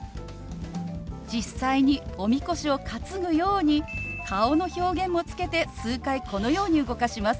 実際におみこしを担ぐように顔の表現もつけて数回このように動かします。